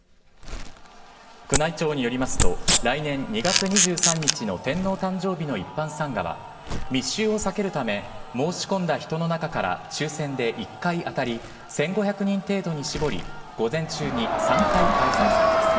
宮内庁によりますと、来年２月２３日の天皇誕生日の一般参賀は、密集を避けるため、申し込んだ人の中から抽せんで１回当たり１５００人程度に絞り、午前中に３回開催されます。